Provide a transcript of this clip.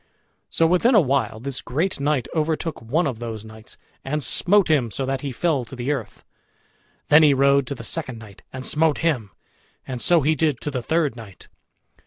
So within a while this great knight overtook one of those knights, and smote him so that he fell to the earth. Then he rode to the second knight and smote him, and so he did to the third knight.